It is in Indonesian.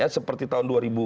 seperti tahun dua ribu dua